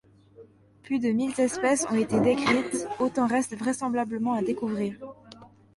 Plus de mille espèces ont été décrites, autant restent vraisemblablement à découvrir.